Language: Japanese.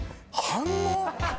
反応？